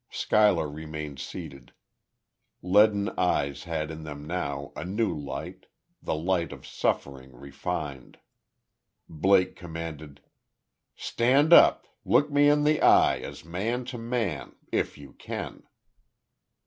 Schuyler remained seated. Leaden eyes had in them now a new light the light of suffering refined. Blake commanded: "Stand up. Look me in the eye, as man to man if you can."